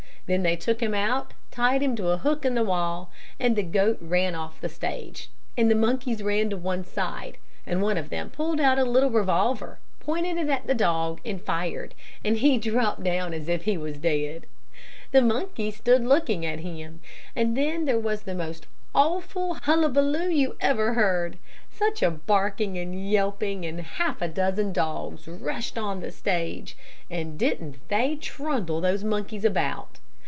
Then they took him out and tied him to a hook in the wall, and the goat ran off the stage, and the monkeys ran to one side, and one of them pulled out a little revolver, pointed it at the dog, fired, and he dropped down as if he was dead. "The monkeys stood looking at him, and then there was the most awful hullabaloo you ever heard. Such a barking and yelping, and half a dozen dogs rushed on the stage, and didn't they trundle those monkeys about.